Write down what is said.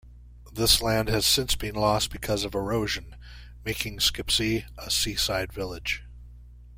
This land has since been lost because of erosion, making Skipsea a seaside Village.